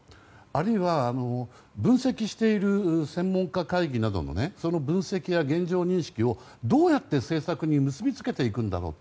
あるいは、分析している専門家会議などのその分析や現状認識をどうやって政策に結び付けていくんだろう。